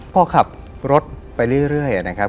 พอขับรถไปเรื่อยนะครับ